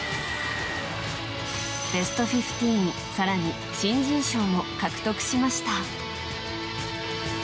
ベスト１５更に新人賞も獲得しました。